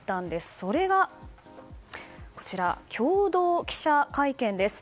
それが、共同記者会見です。